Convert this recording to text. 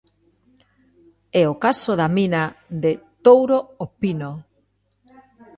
É o caso da mina de Touro-O Pino.